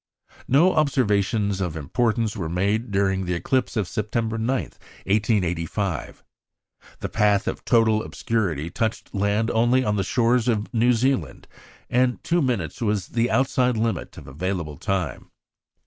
No observations of importance were made during the eclipse of September 9, 1885. The path of total obscurity touched land only on the shores of New Zealand, and two minutes was the outside limit of available time.